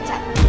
kamu siap pecat